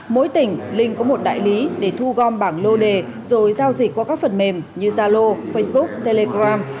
mỗi tỉnh linh có một đại lý để thu gom bảng lô đề rồi giao dịch qua các phần mềm như zalo facebook telegram